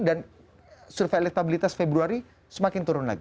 dan survei elektabilitas februari semakin turun lagi